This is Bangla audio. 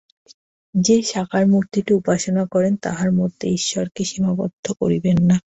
যে সাকার মূর্তিটি উপাসনা করেন, তাহার মধ্যে ঈশ্বরকে সীমাবদ্ধ করিবেন না।